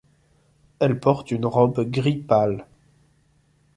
Elle porte une robe gris pâle.